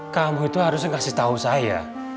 kamu itu harusnya ngasih tau saya